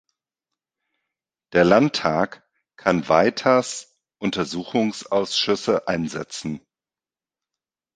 Der Landtag kann weiters Untersuchungsausschüsse einsetzen.